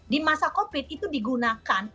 di masa covid itu digunakan